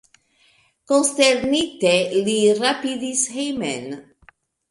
Konsternite li rapidis hejmen.